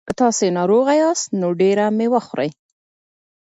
که تاسي ناروغه یاست نو ډېره مېوه خورئ.